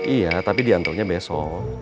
iya tapi diantuknya besok